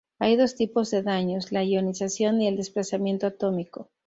Hay dos tipos de daños: la ionización y el desplazamiento atómico.